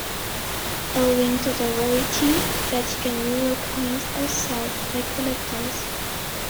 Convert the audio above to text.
Owing to their rarity, Vatican euro coins are sought by collectors.